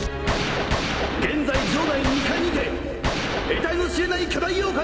現在城内２階にてえたいの知れない巨大妖怪が出現。